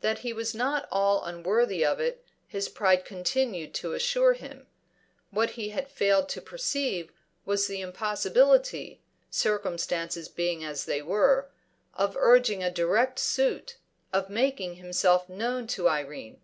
That he was not all unworthy of it, his pride continued to assure him; what he had failed to perceive was the impossibility, circumstances being as they were, of urging a direct suit, of making himself known to Irene.